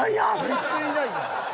全然いないやん！